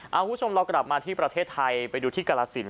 คุณผู้ชมเรากลับมาที่ประเทศไทยไปดูที่กรสิน